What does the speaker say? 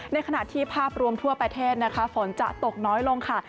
ในขณะที่ภาพรวมทั่วประเทศนะคะฝนจะตกน้อยลงค่ะ